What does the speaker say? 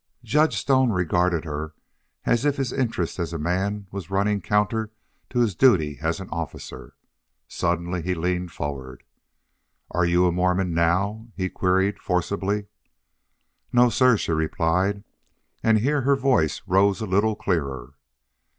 Judge Stone regarded her as if his interest as a man was running counter to his duty as an officer. Suddenly he leaned forward. "Are you a Mormon NOW?" he queried, forcibly. "No, sir," she replied, and here her voice rose a little clearer.